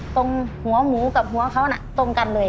ตรงหัวหมูกับหัวเขาน่ะตรงกันเลย